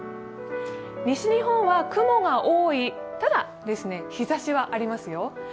西日本は雲が多い、ただ日ざしはありますよ。